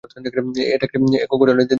এটা একটি একক গঠনের দেউল ধরনের ভবন।